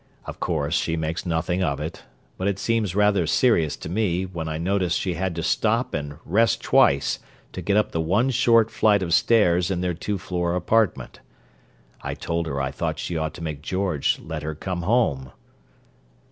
Of course she makes nothing of it, but it seemed rather serious to me when I noticed she had to stop and rest twice to get up the one short flight of stairs in their two floor apartment. I told her I thought she ought to make George let her come home."